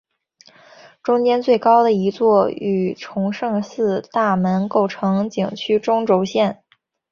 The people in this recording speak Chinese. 中间最高的一座与崇圣寺大门构成景区中轴线。